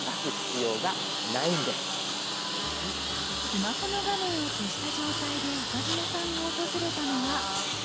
スマホの画面を消した状態で岡嶋さんが訪れたのは。